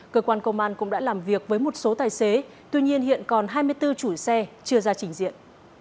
cơ quan công an cũng đã làm việc với một số tài xế tuy nhiên hiện còn hai mươi bốn chủi xe chưa ra trình diện